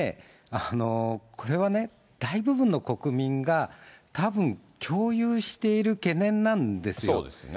これはね、大部分の国民が、たぶん、共有している懸念なんですよ。